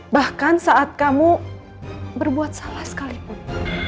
bahkan saat kamu berbuat salah sekalipun